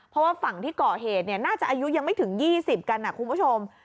เพราะว่าฝั่งที่เกาะเหตุน่าจะอายุยังไม่ถึง๒๐กันนะคุณผู้ชม